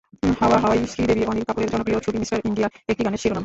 হাওয়া হাওয়াই শ্রীদেবী-অনিল কাপুরের জনপ্রিয় ছবি মিস্টার ইন্ডিয়ার একটি গানের শিরোনাম।